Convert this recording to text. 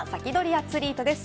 アツリートです。